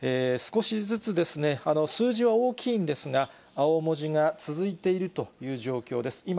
少しずつですね、数字は大きいんですが、青文字が続いているという状況です。